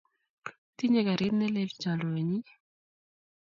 Tinye karit ne lel chorwennyi